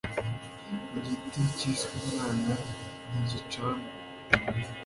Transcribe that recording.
igiti kiswe umwana ntigicanwa